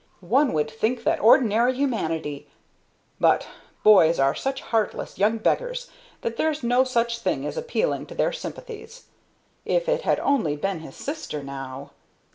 One would think that ordinary humanity But boys are such heartless young beggars that there's no such thing as appealing to their sympathies. If it had only been his sister now!"